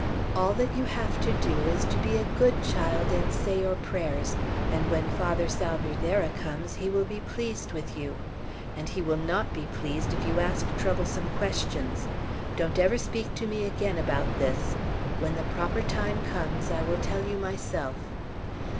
All that you have to do is to be a good child, and say your prayers, and when Father Salvierderra comes he will be pleased with you. And he will not be pleased if you ask troublesome questions. Don't ever speak to me again about this. When the proper time comes I will tell you myself."